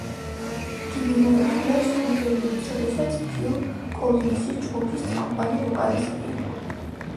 იგი მიმოიხილავს იმ პერიოდს, როდესაც ფილ კოლინზი ჯგუფის წამყვანი ვოკალისტი იყო.